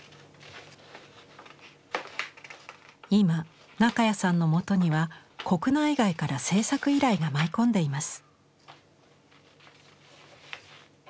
今中谷さんの元には国内外から制作依頼が舞い込んでいます。